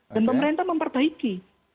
dan pemerintah memperbaiki